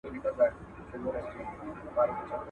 قسمت به حوري درکړي سل او یا په کرنتین کي.